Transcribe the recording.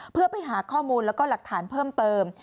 เพื่อไปหาข้อมูลแล้วก็หลักฐานเพิ่มเติม